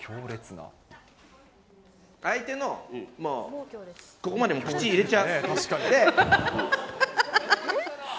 相手のここまでもう口に入れちゃう。